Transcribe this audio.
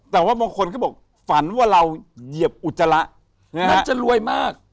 แต่ว่าบางคนก็บอกฝันว่าเราเหยียบอุจจาระมันจะรวยมาก